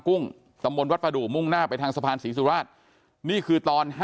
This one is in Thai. กุ้งตำบลวัดประดูกมุ่งหน้าไปทางสะพานศรีสุราชนี่คือตอน๕